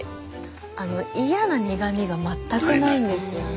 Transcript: あの嫌な苦みが全くないんですよね。